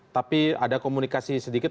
tapi ada komunikasi sedikit